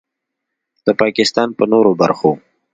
د پاکستان په نورو برخو